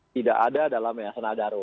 tidak ada dalam yayasan nadaro